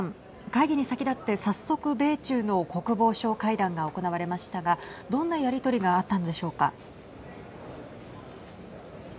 会議に先だって早速、米中の国防相会談が行われましたがどんなやり取りがあったんでしょうか。